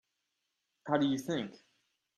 How do you think?